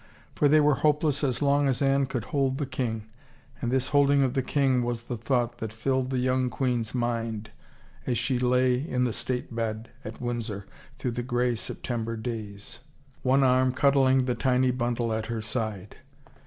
For they were hopeless as long as Anne could hold the king, and this holding of the king was the thought that filled the young queen's mind as she lay in the state bed 276 A RIVAL FLOUTED at Windsor through the gray September days, one arm cuddling the tiny bundle at her side.